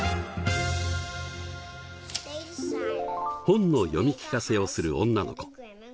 本の読み聞かせをする女の子。